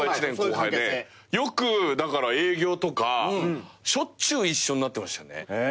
よくだから営業とかしょっちゅう一緒になってましたよね。